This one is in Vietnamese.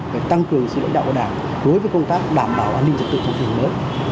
để tăng cường sự lãnh đạo của đảng đối với công tác đảm bảo an ninh trật tự trong tình hình mới